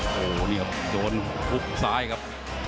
โหเนี่ยครับโดนปุ๊บซ้ายครับ